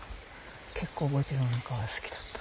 結構墓地の中は好きだった。